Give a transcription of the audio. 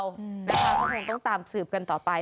ก็คงต้องตามสืบกันต่อไป